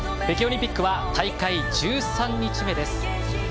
北京オリンピックは大会１３日目です。